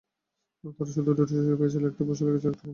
ওরা শুধু দুটি সুযোগ পেয়েছিল—একটা পোস্টে লেগেছিল, আরেকটা গোল হয়ে যায়।